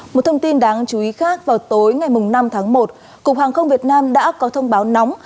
một thông tin đáng chú ý khác vào tối ngày năm tháng một cục hàng không việt nam đã có thông báo nóng